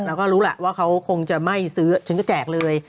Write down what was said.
เราก็รู้แหละว่าเขาคงจะไม่ซื้อฉันก็แจกเลย